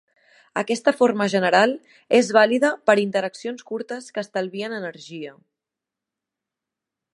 Aquesta forma general és vàlida per interaccions curtes que estalvien energia.